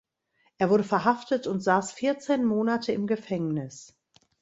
Er wurde verhaftet und saß vierzehn Monate im Gefängnis.